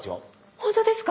本当ですか？